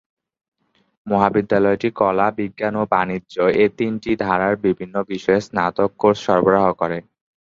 মহাবিদ্যালয়টি কলা, বিজ্ঞান ও বাণিজ্য এই তিনটি ধারার বিভিন্ন বিষয়ে স্নাতক কোর্স সরবরাহ করে।।